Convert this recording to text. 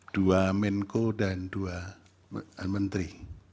dua menko dan dua menteri